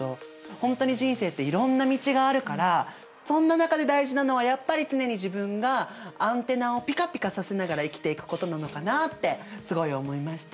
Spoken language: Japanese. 本当に人生っていろんな道があるからそんな中で大事なのはやっぱり常に自分がアンテナをピカピカさせながら生きていくことなのかなってすごい思いました。